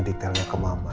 detailnya ke mama